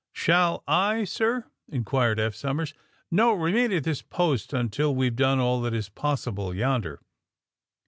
''^^ Shall I, sir?" inquired Eph Somers. '' No ; remain at this post until we 've done all that is possible yonder."